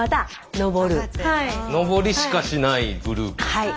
上りしかしないグループ。